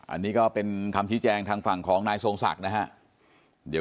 อันนี้ก็เป็นคำชี้แจงทางฝั่งของนายทรงศักดิ์นะฮะ